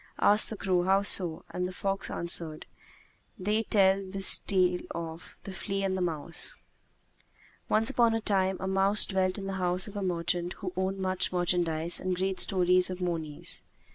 Asked the crow, "How so?" and the fox answered:—They tell this tale of The Flea and the Mouse Once upon a time a mouse dwelt in the house of a merchant who owned much merchandise and great stories of monies.